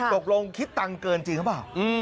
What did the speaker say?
ตกลงคิดตังค์เกินจริงหรือเปล่า